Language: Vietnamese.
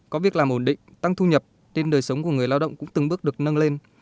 có việc làm ổn định tăng thu nhập nên đời sống của người lao động cũng từng bước được nâng lên